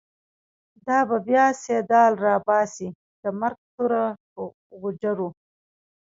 دا به بیا« سیدال» راباسی، د مرگ توره په غوجرو